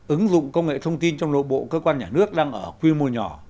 ứng dụng công nghệ thông tin trong nội bộ cơ quan nhà nước đang ở quy mô nhỏ